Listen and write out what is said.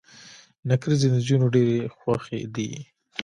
نکریزي د انجونو ډيرې خوښې دي.